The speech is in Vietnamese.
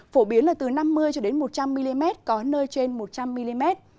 phổ biến là từ năm mươi một trăm linh mm có nơi trên một trăm linh mm